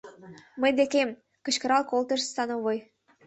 Мый декем! — кычкырал колтыш становой.